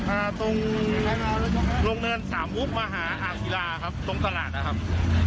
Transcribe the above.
พาตรงโรงเรือนสามฮุบมาหาอาธิราค์ตรงตลาดนะครับ